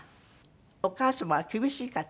お母様は厳しい方？